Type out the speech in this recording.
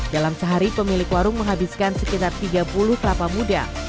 dalam sehari pemilik warung menghabiskan sekitar tiga puluh kelapa muda